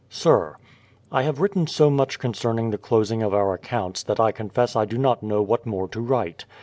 Sir, I have written so much concerning the closing of our accounts that I confess I do not know what more to write.